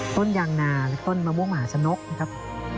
ต้นยางนาต้นมะม่วงหมาสะนกนะครับ